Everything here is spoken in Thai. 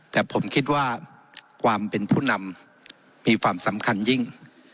แต่ผมคิดว่าความเป็นผู้นำมีความสำคัญยิ่ง